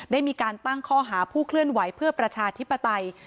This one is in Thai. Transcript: ได้มีการตั้งข้อหาผู้เคลื่อนไหวเพื่อประชาธิปไตย